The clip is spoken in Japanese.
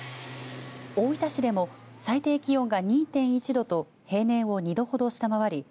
大分市でも最低気温が２．１度と平年を２度ほど下回り